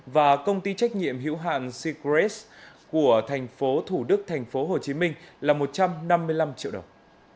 và công ty trách nhiệm hiệu hạn secrets của thành phố thủ đức thành phố hồ chí minh là một trăm năm mươi năm triệu đồng